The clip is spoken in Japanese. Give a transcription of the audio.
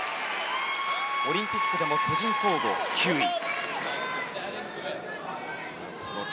オリンピックでも個人総合９位。